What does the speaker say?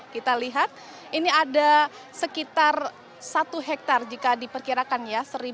kita lihat ini ada sekitar satu hektare jika diperkirakan ya